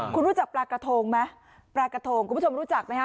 คุณรู้จักปลากระทงไหมปลากระทงคุณผู้ชมรู้จักไหมฮ